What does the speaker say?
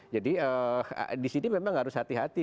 jadi di sini memang harus hati hati